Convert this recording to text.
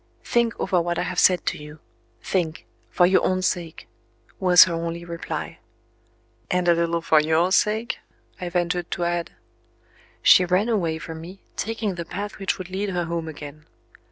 "Think over what I have said to you think, for your own sake," was her only reply. "And a little for your sake?" I ventured to add. She ran away from me, taking the path which would lead her home again.